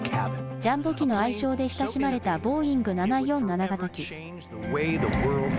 ジャンボ機の愛称で親しまれたボーイング７４７型機。